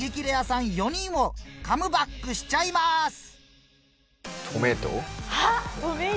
レアさん４人をカムバックしちゃいます！